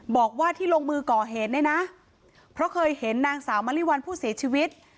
บอกว่าที่ลงมือก่อเหตุเนี่ยนะเพราะเคยเห็นนางสาวมะลิวัลผู้เสียชีวิต